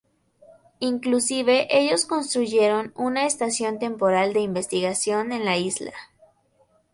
Inclusive ellos construyeron una estación temporal de investigación en la isla.